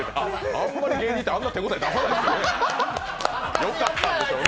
あんまり芸人ってあんな手応え出さないですよね。